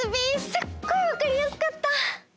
すっごいわかりやすかった！